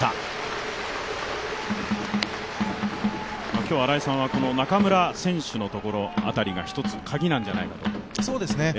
今日、新井さんは中村選手のところ辺りが一つのカギなんじゃないかと？